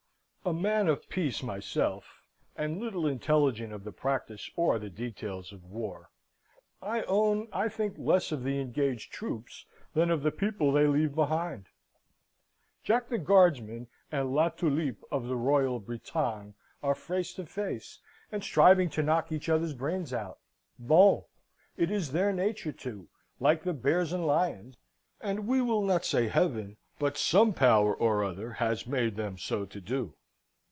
A man of peace myself, and little intelligent of the practice or the details of war, I own I think less of the engaged troops than of the people they leave behind. Jack the Guardsman and La Tulipe of the Royal Bretagne are face to face, and striving to knock each other's brains out. Bon! It is their nature to like the bears and lions and we will not say Heaven, but some power or other has made them so to do.